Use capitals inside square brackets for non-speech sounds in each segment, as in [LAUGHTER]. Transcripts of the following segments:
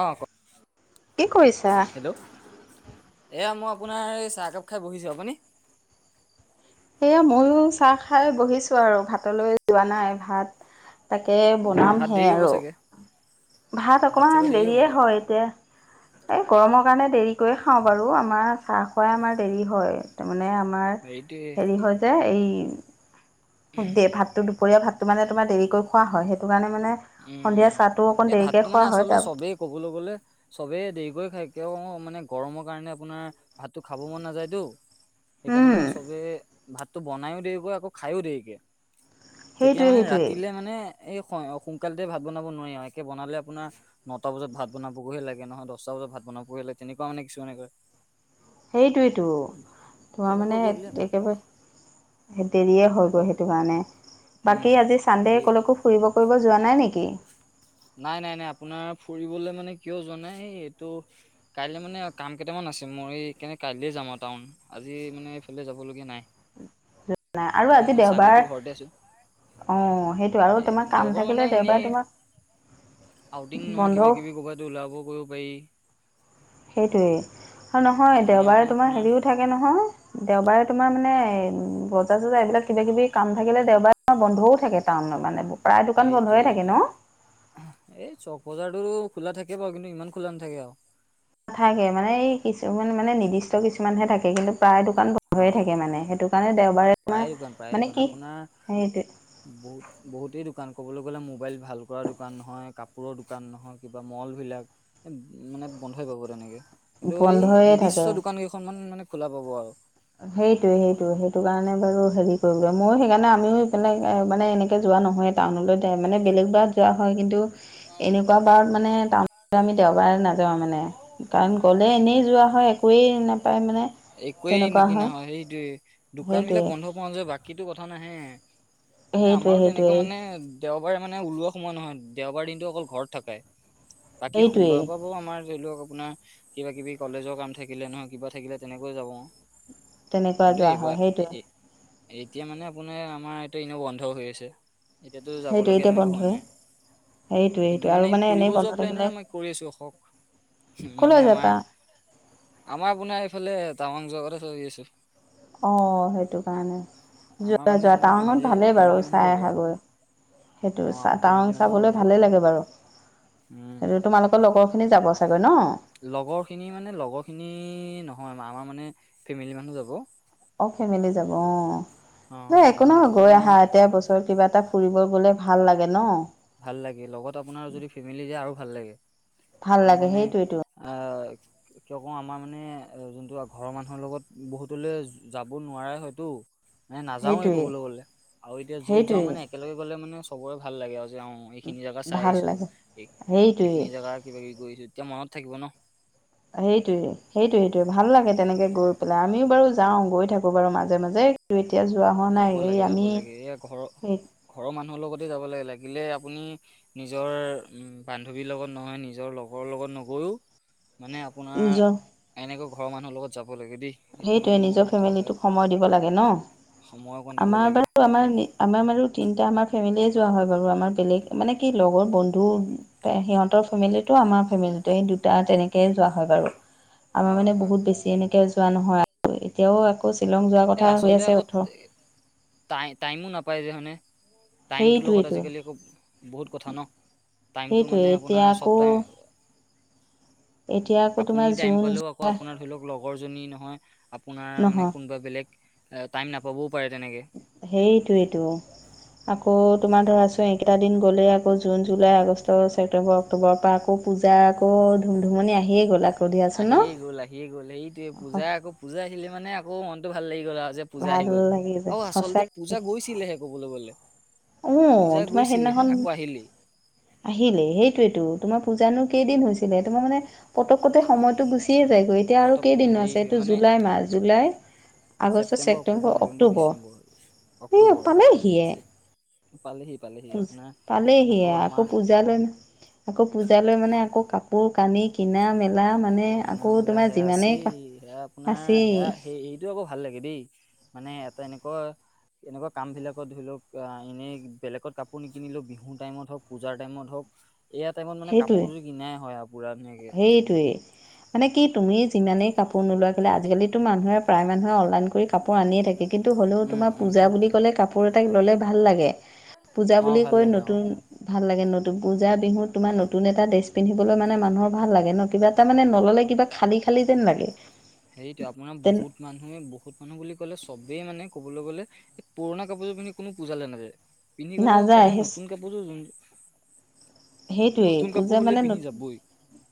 অ', কও কি কৰিছা? হেল্ল'? এয়া মই আপোনাৰ এই চাহকাপ খাই বহিছো। আপুনি? সেয়া ময়ো চাহ খাই বহিছো আৰু ভাতলৈ যোৱা নাই ভাত তাকে বনাম ভাত হে দেৰি হ'ব আৰু। চাগে ভাত অকমান চাগৈ দেৰি হ'ব দেৰিয়ে হয়, এতিয়া এই গৰমৰ কাৰণে দেৰি কৈ খাওঁ বাৰু আমাৰ চাহ খুৱাই আমাৰ দেৰি তাৰমানে আমাৰ সেইটোৱে হেৰী হয় যে এই দে ভাতটো দুপৰীয়া ভাতটো মানে তোমাৰ দেৰিকৈ খোৱা হয়, সেইটো কাৰণে মানে উম, সন্ধিয়া উম, চাহটো অকণ এই দেৰিকৈ ভাততটো খোৱা মানে হয় আচলতে তাৰ চবেই ক'বলৈ গ'লে চবেই দেৰিক খায় কিয় মানে গৰমৰ কাৰণে, আপোনাৰ ভাতটো খাব মন নাযায়তো। সেইকাৰণে উম, মানে চবে ভাতটো বনাইও দেৰিকৈ আকৌ খায়ও দেৰিকে। তেতিয়া সেইটোৱে মানে সেইটোৱে ৰাতিলে মানে এই সোনকালতে ভাত বনাব নোৱাৰি আৰু একে বনালে আপোনাৰ নটা বজাত ভাত বনাবগৈহে লাগে নহয় ল, দহটা বজাত ভাত বনাবই লাগে তেনেকুৱা মানে কিছুমানে কৰে। সেইটোৱেইটো, তোমাৰ মানে কৰিলে একেবাৰে দেৰিয়ে হৈ গৈ কওক সেইটো কাৰণে, উম বাকী আজি চানডে দি কলৈকো ফুৰিব কৰিব যোৱা নাই নেকি? নাই, নাই, নাই, আপোনাৰ ফুৰিবলৈ মানে কিয় জোৱা নাই এই এইটো কাইলৈ মানে কাম কেইটামান আছে মোৰ সেইকাৰণে কাইলে যাম আৰু টাউন আজি মানে এইফালে যাবলগীয়া নাই। [INAUDIBLE] আৰু সেইকাৰণে আজি দেওবাৰ চানডেটো ঘৰতে আছো অ', সেইটো আৰু সেই তোমাৰ কাম দেওবাৰ মানে থাকিলে এনেই দেওবাৰে তোমাৰ আউটিং নহয় কিবা কিবি ক'ৰবাতো ওলাব কৰিব পাৰি। সেইটোৱেই আৰু নহয় এনেই দেওবাৰে মানে তোমাৰ আপোনাৰ হেৰিও থাকে নহয়। দেওবাৰে তোমাৰ মানে বজাৰ-চজাৰ এইবিলাক কিবা কিবি কাম থাকিলে দেওবাৰে বন্ধও থাকে টাউনত মানে। প্ৰায় দোকান সেইটো বন্ধয়ে থাকে সেইটো ন? এই চক বজাৰতো খোলা থাকে বাৰু কিন্তু ইমান খোলা নাথাকে আৰু। নাথাকে মানে এই কিছুমান মানে নিৰ্দিষ্ট কিছুমানহে থাকে কিন্তু প্ৰায় দোকান অ বন্ধইে থাকে মানে, সেইটো কাৰণে দেওবাৰে তোমাৰ প্ৰায়ে দোকান প্ৰায়ে মানে দোকান কি আপোনাৰ সেইটোৱে। বহুত বহুতেই দোকান ক'বলৈ গ'লে মোবাইল ভাল কৰা দোকান নহয় কাপোৰৰ দোকান নহয় কিবা ম'লবিলাক মানে বন্ধই পাব তেনেকে কিন্তু এই বন্ধয়ে থাকে। নিৰ্দিষ্ট দোকান কেইখন মান মানে খোলা পাব আৰু। সেইটোয়ে সেইটো সেইটো কাৰণে, বাৰু হেৰি কৰিব ময়ো সেইকাৰণে আমিও এপিনে মানে এনে কে যোৱা নহয়, টাউনলৈ যায় মানে বেলেগ ব যোৱা হয়, কিন্তু এনেকুৱা বাৰত মানে টাউন আমি দেওবাৰে নাযাওঁ মানে। কাৰণ গ'লে এনেই যোৱা হয়, একোৱেই নাপায় মানে। একোৱেই নিকিনা হয়, সেইটো দোকান বিলাক সেইটোৱে বন্ধ পোৱা নাযায় বাকীতো কথা নাহে। এ সেইটোৱে আমাৰো তেনেকৈ সেইটোৱে মানে দেওবাৰে মানে ওলোৱা সময় নহয়, দেওবাৰ দিনটো অকল ঘৰত থাকেই বাকী সেইটোৱেই সোমবাৰৰ পৰা আমাৰ ধৰি লওক আপোনাৰ কিবা কিবি কলেজৰ কাম থাকিলে নহয় কিবা থাকিলে তেনেকৈ যাওঁ আৰু। তেনেকুৱা কিন্তু যোৱা হয় এইবাৰ সেইটোৱে এ-এতিয়া মানে আপোনাৰ আমাৰ এতিয়া এনেও বন্ধ হৈ আছে। এতিয়াতো সেইটোৱে যাবলগীয়া এতিয়া তেনেকুৱা হোৱা বন্ধই নাই সেইটোৱে সেইটোৱে কিন্তু আৰু মানে এই এনেই ফুৰিব বন্ধ যোৱা প্লেইনে থাকিলে আমি কৰি আছো ৰখক কলৈ মানে যাবা আমাৰ আমাৰ আপোনাৰ এইফালে টাৱাং যোৱা কথা ভাবি আছো অ সেইটো কাৰণে আমাৰ যোৱা মানে যোৱা তোমাৰ টাৱাংত ফেমিলি ভালেই ফেমিলি বাৰু মানুহ চাই যাব অ আহাগৈ সেইটো চা আমাৰ ফেমিলি টাৱং মানুহ যাব চাবলৈ যে ভালেই লাগে বাৰু উম সেইটো তোমালোকৰ লগৰখিনি যাব চাগৈ ন লগৰ খিনি মানে লগৰ খিনি নহয় আমাৰ মানে ফেমেলি মানুহ যাব অ ফেমেলি যাব অ এ একো মানে নহয় সেইটো গৈ কাৰণে আহা আমাৰ এতিয়া বস্ কিবা এটা ফুৰিব গলে ভাল লাগে ন ভাল লাগে লগত আপোনাৰ যদি ফেমেলি যায় আৰু ভাল লাগে ভাল তোমাৰ লাগে মানে সেইটোৱেতো আ কিয় কও আমাৰ মানে যোনটো ঘৰৰ মানুহৰ লগত বহুতলে যাব নোৱাৰে হয়তো মানে নাযাওৱেই সেইটোৱে ক'বলে গ'লে আৰু এতিয়া য'ত যাওঁ সেইটোৱে মানে একেলগে গ'লে মানে চবৰে ভাল লাগে আৰু যে অ এইখিনি জেগা চাই ভাল আছো লাগে। এই সেইটোৱে এইখিনি জেগা কিবা কিবি কৰিছো এতিয়া মনত থাকিব ন সেইটোৱে সেইটো সেইটো ভাল লাগে তেনেকে গৈ পেলাই আমিও বাৰু যাওঁ গৈ থাকোঁ বাৰু মাজে মাজে এতিয়া যোৱা হোৱা যাব নাই হে লাগে যাব আমি লাগে এয়া ঘৰৰ সেই ঘৰৰ মানুহৰ লগতে যাব লাগে লাগিলে আপুনি নিজৰ উম বান্ধৱীৰ লগত নহয় নিজৰ লগৰ লগত নগৈও মানে আপ আপোনাৰ নিজৰ এনেকৈ ঘৰৰ মানুহৰ লগত যাব লাগে দেই এইটো সেইটোৱে মানে মই নিজৰ এটা কথা ফেমিলিটোক সময় দিব লাগে ন সময় অকণ দিব আমাৰ লাগে বাৰু আমাৰ এই- নি আমাৰ বাৰু তিনিটা আমাৰ ফেমেলিয়ে যোৱা হয় বাৰু আমাৰ বেলেগ মানে কি লগৰ বন্ধু সিহঁতৰ ফেমেলিটো আমাৰ ফেমেলিটো এই দুটা তেনেকেই যোৱা হয় বাৰু আমাৰ হয় মানে হয় বহুত বেছি এনেকে যোৱা নহয় আৰু এতিয়াও আকৌ শ্বিলং যোৱা এ আচলতে আকৌ টাই টাইমো নাপায় যে হয়নে টাইমটোৰ লগত সেইটোৱেইটো আজিকালি আক বহুত কথা ন টাইমটো সেইটোৱে মানে এতিয়া আপোনাৰ আকৌ চব টাইম [UNINTELLIGIBLE] এতিয়া আকৌ তোমাৰ আপুনি টাইম জুন পালেও আকৌ আপোনাৰ ধৰি লওক লগৰ জনী নহয় আপোনাৰ মানে নহয় কোনোবা বেলেগ এ টাইম নাপাবও পাৰে তেনেকে সেইটোৱেটো আকৌ সেই তোমাৰ ধৰাছোন এই কেইটা দিন গ'লে আক জুন জুলাই আগষ্ট ছেপ্টেম্বৰ অক্টোবৰৰ পৰা আকৌ পূজা আকৌ ধুমধুমনি আহিয়ে গ'ল আক- আহিয়ে গ'ল আহিয়ে গ'ল সেইটোয়ে পূজা আকৌ পূজা আহিলে মানে আকৌ মনতো ভাল লাগি গ'ল আৰু যে পূজা আহি ভাল গ'ল লাগি অ যায় আচলতে সঁচাক পূজা গৈছিলেহে কবলৈ গলে অ পূজা তোমাৰ গৈছিলেহে সেইদিনাখন আকৌ আহিলেই আহিলেই সেইটোৱেতো তোমাৰ পূজানো কেইদিন হৈছিলে তোমাৰ মানে পটককতে সময়তটো গুচিয়ে যায়গৈ এতিয়া আৰু পতককতে কেইদিনো আছে সেইটোৱে এইটো মানে জুলাই মাহ July August October September November October December সে পালেহিয়ে পালে হি পালে হি পালেহি আকৌ পূজালে নো আকৌ পূজা লৈ মানে আকৌ কাপোৰ কানি কিনা মেলা খুলা মানে কিনা আকৌ মেলা তোমাৰ সেয়া যিমানেই আছেই সেয়া আপোনাৰ আছেই সেয়া সেই এই টো আকৌ ভাল লাগে দেই মানে এটা এনেকুৱা এনেকুৱা কামবিলাকত ধৰি লওক, এনেই বেলেগত কাপোৰ নিকিনিলেও বিহুৰ টাইমত হওক পূজাৰ টাইমত হওক। এয়া টাইমত মানে সেইটোৱে কাপোৰযোৰ কিনাই হয় আৰু পুৰা ধুনীয়াকে। সেইটোৱেই। মানে কি তুমি যিমানেই কাপোৰ নোলোৱা কেলে আজিকালিতো মানুহে প্ৰায় মানুহে অনলাইন কৰি কাপোৰ আনিয়ে থাকে। কিন্তু হ'লেও উম তোমাৰ উম পূজা বুলি ক'লে কাপোৰ এটা ল'লে ভাল লাগে। পূজা অ বুলি ভাল কৈ লাগে অ নতুন ভাল লাগে, নতুন পূজা-বিহুত তোমাৰ নতুন এটা ড্ৰেছ পিন্ধিবলৈ মানে মানুহৰ ভাল লাগে ন, কিবা এটা মানে নল'লে কিবা খালি খালি যেন লাগে। সেইটোৱে আপোনাৰ তেন বহুত মানুহে বহুত মানুহ বুলি ক'লে চবেই মানে ক'বলৈ গ'লে। পুৰণা কাপোৰযোৰ পিন্ধি কোনো পূজাল লৈ নাযায়। পিন্ধি গলে নাযায় সদায় সেই নতুন কাপোৰ যোৰ সেইটোৱেই নতুন পূজা কাপোৰ হ'লে মানে পিন্ধি যাবই।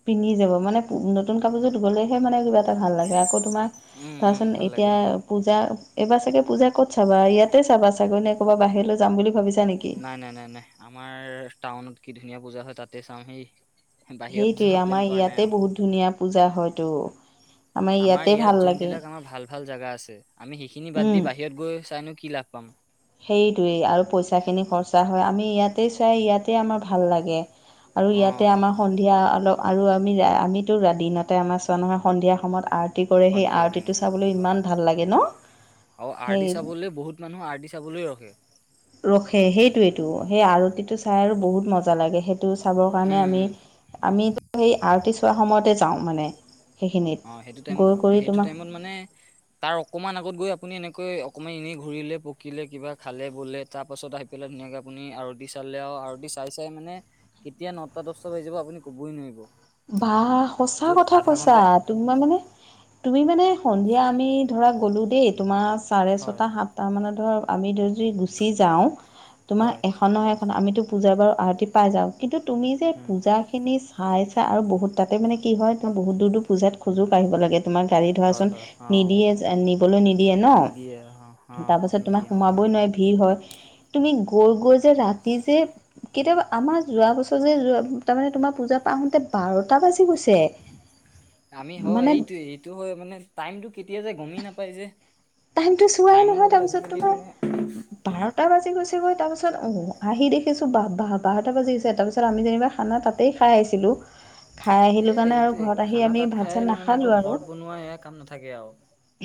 পিন্ধি যাব মানে নতুন কাপোৰযোৰত গ'লেহে মানে কিবা এটা ভাল লাগে, আকৌ তোমাৰ উম, উম, ধৰাচোন ভাল লাগে এতিয়া অ'। পূজা, এইবাৰ চাগে পূজা ক'ত চাবা? ইয়াতে চাবা চাগৈ নে, ক'ৰবা বাহিৰলৈ যাম বুলি ভাবিছা নেকি। নাই নাই নাই নাই আমাৰ টাউনত কি ধুনীয়া পূজা হয় তাতে চাম। সেই সেইটোৱে আমাৰ ইয়াতে বহুত ধুনীয়া পূজা হয়তো আমাৰ ইয়াতে ইয়াত ভাল লাগে। যোনবিলাক আমাৰ ভাল ভাল জাগা আছে, আমি সেইখিনি বাদ দি উম বাহিৰত গৈ চাইনো কি লাভ পাম। সেইটোৱেই আৰু পইচাখিনি খৰচা হয়, আমি ইয়াতেই চাই ইয়াতেই আমাৰ ভাল লাগে। আৰু ইয়াতে অ', আমাৰ সন্ধিয়া অলপ আৰু আমি আমিতো ৰাতি দিনতে আমাৰ চোৱা নহয় সন্ধিয়া সময়ত আ আৰটি কৰে সেই সন্ধিয়া টাইমত আৰটিটো চাবলৈ হয়। ইমান ভাল লাগে ন। আৰু আৰ ডি সেই চাবলৈ বহুত মানুহ আৰটি চাবলৈ ৰখে। ৰখে, সেইটোৱেইটো সেই আৰতিটো চাই আৰু বহুত মজা লাগে। সেই টো চাবৰ কাৰণে উম, আমি উম। আম সেই আৰতি হোৱাৰ সময়তে যাওঁ মানে। সেইখিনিত অ' সেইটো টাইমত গৈ কৰি সেইটো তোমাক টাইমত মানে তাৰ অকমান আগত গৈ আপুনি এনেকৈ অকমান এনেই ঘূৰিলে পকিলে কিবা খালে বলে তাৰ পাছত আহি পেলাই ধুনীয়াকে আপুনি আৰতি চালে আৰু আৰতি চাই চাই মানে কেতিয়া নটা-দহটা বাজি যাব আপুনি কবই নোৱাৰিব। বা সঁচা য'ত কথা আধা কৈছা। ঘন্টা তোমাৰ মানে তুমি মানে সন্ধিয়া আমি ধৰা গলো দেই, তোমাৰ চাৰে হয় ছটা, সাতটা মানত ধৰ আমি যদি গুচি যাওঁ। তোমাৰ হয় এখন নহয়, এখন আমিতো পূজাৰ বাৰু আৰতি পাই যাওঁ। কিন্তু তুমি যে উম পূজাখিনি চাই আৰু বহুত তাতে মানে কি হয়, তো বহু দৰ দূৰ পূজাত খোজোঁ কঢ়িব লাগে। তোমাৰ গাড়ী হয় ধৰাচোন হয় অ নিদিয়ে নিবলৈ নিদিয়ে ন। নিদিয়ে অ অ তাৰ অ পাছত তোমাৰ নিদিয়ে অ সোমাবই নোৱাৰি ভিৰ হয়। তুমি গৈ গৈ যে ৰাতি যে কেতিয়াবা আমাৰ যোৱা বছৰ যে যোৱা তাৰমানে তোমাৰ পূজা পা আহোতে বাৰত টা বাজি গৈছে। আমি হয় মানে, সেইটোৱে সেইটো হয় মানে টাইমটো কেতিয়া যায় গমেই নাপাই যে। টাইমটো চোৱাই টাইমৰ নহয় লগত তাৰপিছত আজিকালি মানে তোমাৰ বাৰটা বাজি গৈছে গৈ, তাৰপিছত আহ আহি দেখিছো বাৰটা বাজি গৈছে তাৰপিছত আমি আমি যেনিবা খানা তাতেই খাই আহিছিলো। খাই এ আহিলোঁ কাৰণে আৰু এইটোৱে ঘৰত আহি আমি ভাত-চাত নাখালোঁ আৰু। কোনোৱাই এয়া কাম নাথাকে আও।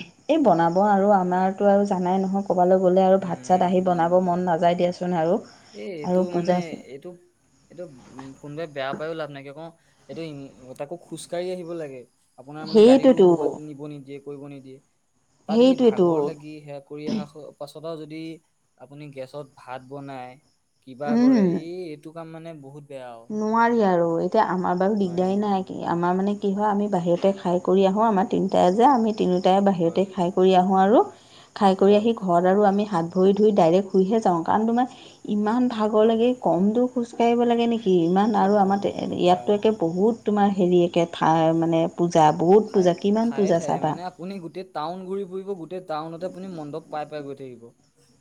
এই বনাব আৰু আমাৰতো আৰু জানাই নহয়। ক'বালৈ গ'লে আৰু উম ভাত-চাত আহি বুজিছো বনাব মন নাযায় দিয়াচোন আৰু। এ এইটো আৰু মানে পূজা এইটো এইটো উ কোনোবাই বেয়া পায়ো লাভ নাই। কিয় কও এইটো তাকো খোজকাঢ়ি আহিব লাগে। আপোনাৰ মানে গাড়ীও ক'ৰবাত সেইটোতো নিব নিদিয়ে কৰিব নিদিয়ে তাত সেই সেইটোৱেতো ভাগৰ লাগি সে কৰি অহা পাছত যদি আপুনি গেছত ভাত বনাই কিবা কৰে উম ই, এই এইটো কাম মানে বহুত বেয়া আৰু নোৱাৰি আৰু এতিয়া আমাৰ বাৰু নোৱাৰি দিগদাৰ নোৱাৰি নাই। কি আমাৰ মানে কি হয় আমি বাহিৰতে খাই কৰি আহোঁ আমাৰ তিনিটাই যে আমি তিনি টাই হয় বাহিৰতে খাই কৰি আহোঁ আৰু। খাই কৰি হয় আহি ঘৰত আৰু আমি হাত ভৰি ধুই ডাইৰেক্ট শুইহে যাওঁ কাৰণ তোমাৰ ইমান ভাগৰ লাগে কম দূৰ খোজ কাঢ়িব লাগে নেকি। ইমান এই আৰু আমাৰ বহুত দূৰ বা ইয়াততো একে বহুত তোমাৰ হেৰি একে ঠাই মানে পূজা বহুত ঠাই পূজা কিমান ঠায়ে পূজা ঠায়ে চাবা? মানে আপুনি গোটেই টাউন ঘূৰি ফুৰিব গোটেই টাউনতে আপুনি মণ্ডপ পাই পাই গৈ থাকিব।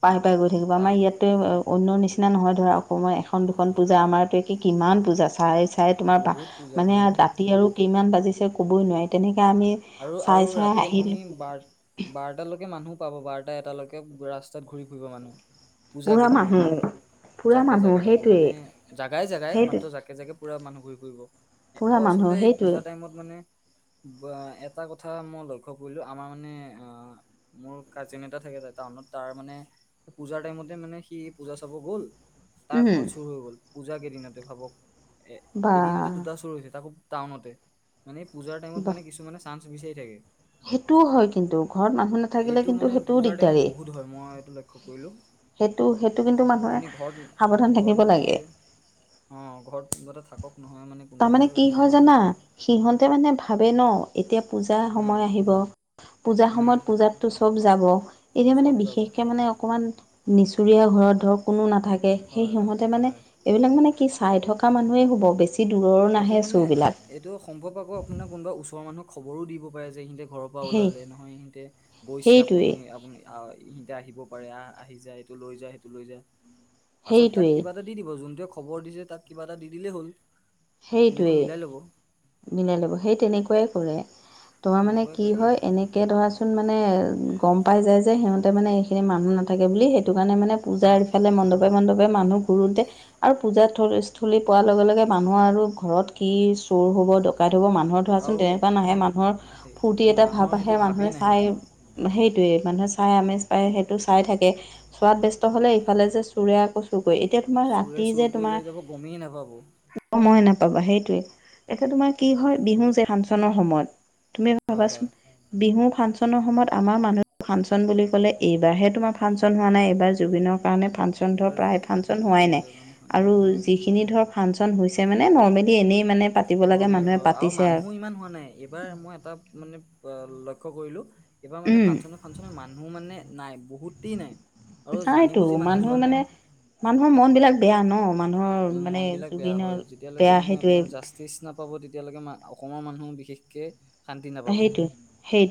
পাই পাই গৈ থাকিব। আমাৰ টাউন ইয়াতে অন্য নিচিনা নহয় ধৰা অসমৰ এখন দুখন পূজা আমাৰ কিমান পূজা চাই চাই তোমাৰ পা বহুত পূজা মানে দাঁ বহুত ৰাতি আৰু কিমান বাজিছে ক'বই নোৱাৰি তেনেকে আমি আৰু আৰু চাই চাই ৰাতি আপুনি আহিলো বাৰ বাৰটালৈকে মানুহ পাব বাৰটা এটালৈকে ৰাস্তাত ঘূৰি ফুৰিব মানুহ। পূজা বুঢ়া কেইদিন মানুহ মানে বুঢ়া জাকে মানুহ জাকে তাকো সেইটোৱে মানে জাগাই জাগাই সেইটোৱে মাত্ৰ জাক জাকে জাকে পুৰা মানুহ ঘূৰি ফুৰিব বুঢ়া আৰু মানুহ আচলতে এই সেইটোৱে পূজা টাইমত মানে বা এটা কথা মই লক্ষ্য কৰিলোঁ। আমাৰ মানে আহ মোৰ কাজীন এটা থাকে টাউনত তাৰ মানে পূজাৰ টাইমতে মানে সি পূজা চাব গ'ল তাৰ উম ঘৰত চুৰ হৈ গ'ল পূজা কেইদিনতে ভাবক। এ বা এদিনতে দুটা চুৰ হৈছে তাকো টাউনতে মানে, পূজাৰ টাইমত বাহ মানে কিছুমানে চান্স বিছাৰি থাকে। সেইটোও হয় কিন্তু ঘৰত মানুহ নাথাকিলে এইটো কিন্তু মানে, সেইটোও পূজাৰ টাইমত দিগদাৰেই বহুত হয় মই এইটো লক্ষ্য কৰিলোঁ। সেইটো সেইটো কিন্তু মানুহে আপুনি ঘৰত সাৱধান ঘৰত থাকিব লাগে নাথাকে? অ', ঘৰত কনোবা এটা থাকক নহয় মানে কোনোবা এটা তাৰমানে কি মানে হয় জানা সিহঁতে মানে ভাবে ন' এতিয়া পূজা উম সময় আহিব, পূজাৰ উম সময়ত পূজাততো চব যাব। এতিয়া মানে চব যাব বিশেষকৈ মানে অকণমান নিচুৰীয়া ঘৰত ধৰক কোনো নাথাকে সেই হয় হয় সিহঁতে মানে হয় এইবিলাক মানে কি চাই থকা মানুহেই হ'ব বেছি। দূৰৰ সেইটো নাহে মানে চোৰবিলাক এইটো সম্ভৱ আকৌ আপোনাৰ কোনোবা ওচৰৰ মানুহক খবৰো দিব পাৰে যে সিহঁতে ঘৰৰ পৰা সেই ওলালে নহয় সিহঁতে গৈছে আপুনি সেইটোৱেই আপুনি আহ ইহতে আহিব পাৰে আহ আহি যায় এইটো লৈ যায় সেইটো লৈ যায় পাছত তাক সেইটোৱেই কিবা এটা দি দিব যোনটোৱে খবৰ দিছে তাক কিবা এটা দি দিলেই হ'ল। তেনেকৈ সেইটোৱেই মিলাই ল'ব মিলাই লব সেই তেনেকুৱাই কৰে। তোমাৰ মানে তেনেকুৱাই কি কৰি হয় এনেকে ধৰাছোন মানে, গম পাই যায় যে সিহঁতে মানে এইখিনি মানুহ নাথাকে বুলি সেইটো কাৰণে মানে অ পূজাৰ ইফালে মণ্ডপে মণ্ডপে মানুহ ঘুৰুতে, আৰু পূজাস্থলী পোৱাৰ লগে লগে মা মানুহ আৰু ঘৰত কি চোৰ হ'ব ডকাইত হ'ব মানুহ মানুহৰ ধৰাচোন আৰু তেনেকুৱা নাহে মানুহৰ সেই ফূৰ্তি এটা মানুহৰ ভাৱ সেইটো আহে ভাবেই মানুহে নাহে চাই। সেইটোৱেই মানুহে চাই আমেজ পায় সেইটো চাই থাকে। চোৱাত বেস্ত হ'লে এইফালে যে চোৰে আকৌ চুৰ কৰে এতিয়া তোমাৰ চোৰে ৰাতি চুৰ যে কৰি লৈ তোমাৰ যাব গমেই নাপাব। সময় নাপাবা সেইটোৱে। এতিয়া তোমাৰ কি হয় তাকে বিহু যে ফাংচনৰ সময়ত তুমি হয় ভাবাচোন হয় বিহু ফাংচনৰ সময়ত আমাৰ মানুহে ফাংচন বুলি ক'লে এইবাৰহে তোমাৰ ফাংচন হোৱা নাই এইবাৰ জুবিনৰ কাৰণে ফাংচন বন্ধৰ এইবাৰ পৰাই সেই ফাংচন হোৱাই জুবিন নাই দাৰ কাৰণে ফাংচন আৰু হয় যিখিনি ধৰ ফাংচন হৈছে মানে নৰ্মেলি এনেই মানে পাতিব লাগে নৰ্মেল মানুহে হয় আৰু পাতিছে মানুহো ইমান হোৱা নাই এইবাৰ মই এটা মানে লক্ষ্য কৰিলোঁ এইবাৰ মানে উম ফাংচনে ফাংচনে মানুহ মানে নাই বহুতেই নাই। আৰু জানি নাইতো, বুজি মানুহ যোৱা মানে নাই মানুহৰ মনবিলাক বেয়া ন মানুহৰ মানে মন জুবিনৰ বেয়া সেইটোৱে জাষ্টিছ নাপাব তেতিয়ালৈকে অসমৰ মানুহো বিশেষকে শান্তি নাপাব সেইটোৱে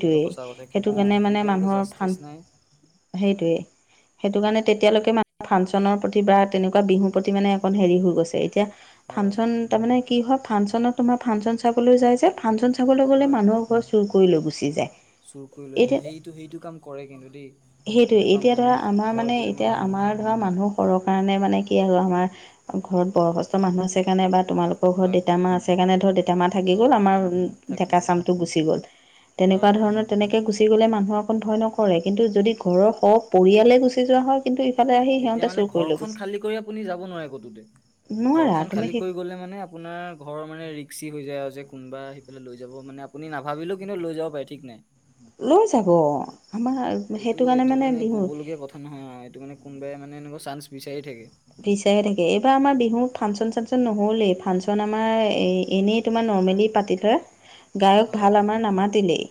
সেইটো সঁচা কথা কি সেইটো কওঁ কাৰণে মানে যেতিয়ালৈকে মানুহৰ জাষ্টিছ ফান নাই সেইটোৱেই সেইটো কাৰণে তেতিয়ালৈকে ফাংচনৰ প্ৰতি বা তেনেকুৱা বিহুৰ প্ৰতি মানে এখন হেৰি হৈ গৈছে এতিয়া হয় ফাংচন তাৰমানে কি হয় ফাংচনত তোমাৰ ফাংচন চাবলৈ যায় যে ফাংচন চাবলৈ গ'লে হয় মানুহক চুৰ কৰি লৈ গুচি যায়। চুৰ কৰি লৈ যায় এতিয়া সেইটো সেইটো কাম কৰে কিন্তু দেই সেইটোৱে সেইটো কাম এতিয়া ধৰা মানে আমাৰ মানে হয় বুলি মই এতিয়া জানোঁ। আমাৰ ধৰা মানুহ সৰহ কাৰণে মানে কি আৰু আমাৰ ঘৰত বয়সস্থ মানুহ আছে কাৰণে বা তোমাৰ মোৰ ঘৰত হয় দেউতা‌ মা আছে কাৰণে ধৰ দেউতা মা থাকি হয় গ'ল হয় আমাৰ থাকি ডেকা গ'ল চাম টো গুচি গ'ল হয় তেনেকুৱা হয় ধৰণৰ তেনেকৈ গুচি গ'লে মানুহ অকণ ভয় নকৰে কিন্তু যদি ঘৰৰ স পৰিয়ালে গুচি যোৱা হয়, কিন্তু ইফালে আহি তেতিয়া সিহঁতে মানে চুৰ কৰি লৈ ঘৰখন গৈছে খালী কৰি আপুনি যাব নোৱাৰে কতোতে নোৱাৰা ঘৰখন তুমি খালী সেই কৰি গ'লে মানে আপোনাৰ ঘৰ মানে ৰিক্সি হৈ যায় যে কোনোবা সেইফালে লৈ যাব মানে আপুনি নাভাবিলেও কিন্তু লৈ যাব পাৰে। ঠিক আনে [UNINTELLIGIBLE] লৈ যাব আমাৰ এইটো সেইটো কাৰণে এইটো মানে বিহুত ক'বলগীয়া কথা নহয় এইটো মানে কোনবাই মানে এনেকুৱা চান্স বিচাৰি থাকে। বিচাৰি থাকে এইবাৰ আমাৰ বিহুত ফাংচন চাংচন নহ'লেই ফাংচন আমাৰ এ এনেই তোমাৰ নৰ্মেলি পাতে ধৰা [UNINTELLIGIBLE] [INAUDIBLE] গায়ক ভাল আমাৰ নামাতিলেই,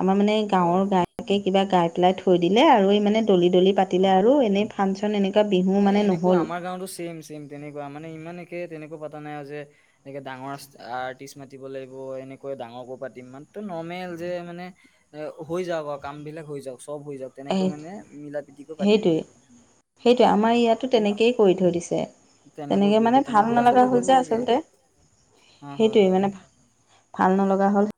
আমাৰ মানে হয় গাঁৱৰ তাকে কিবা গাই পেলাই থৈ দিলে আৰু এই মানে দলি দলি পাতিলে হয় আৰু এনেই ফাংচন এনেকুৱা বিহু এ মানে এনেকুৱা নহ'ল আমাৰ গাঁওতো ছেম ছেম তেনেকুৱা মানে ইমান একে তেনেকুৱা পাতা নাই আৰু যে এনেকে ডাঙৰ আৰ্টিষ্ট মাতিব লাগিব, এনেকৈ ডাঙৰকো পাতিম মাত্ৰ নৰ্মেল যে মানে এ হৈ যাওক আৰু কাম বিলাক হৈ যাওক চব হৈ যাওক তেনেকৈ মানে মিলা প্ৰীতিকৈ পাতি দিলে। সেইটোৱেই আমাৰ ইয়াতো ইন তেনেকেই কৰি থৈ দিছে। তেনেকৈ কৰিলে মানে ভাল তেনেকৈ আচলতে নালাগা হ'ল কৰিব যে লাগে আচলতে অ হয় সেইটোৱেই হয় মানে ভাল নলগা হ'ল।